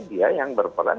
dia yang berperan